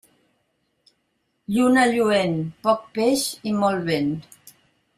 Lluna lluent, poc peix i molt vent.